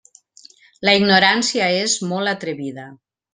La ignorància és molt atrevida.